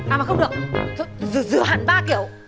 à mà không được rửa hẳn ba kiểu